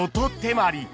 まり